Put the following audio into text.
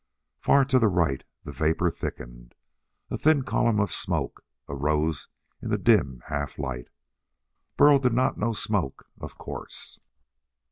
Far to the right, the vapor thickened. A thin column of smoke arose in the dim half light. Burl did not know smoke, of course.